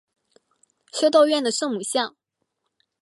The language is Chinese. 修道院的圣母像。